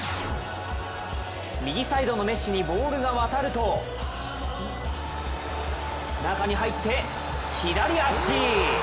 右サイドのメッシにボールが渡ると中に入って、左足！